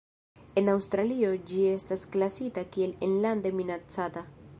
En Aŭstralio ĝi estas klasita kiel enlande minacata.